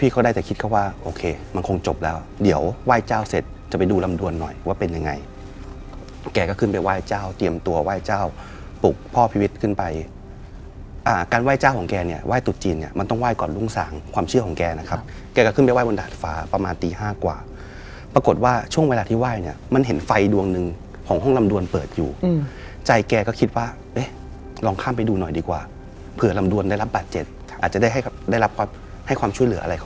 การไหว้เจ้าของแกเนี่ยไหว้ตุ๊ดจีนเนี่ยมันต้องไหว้ก่อนลุงสางความเชื่อของแกนะครับแกก็ขึ้นไปไหว้บนดาดฟ้าประมาณตี๕กว่าปรากฏว่าช่วงเวลาที่ไหว้เนี่ยมันเห็นไฟดวงนึงของห้องลำดวนเปิดอยู่ใจแกก็คิดว่าเอ๊ะลองข้ามไปดูหน่อยดีกว่าเผื่อลำดวนได้รับบาทเจ็ดอาจจะได้รับความช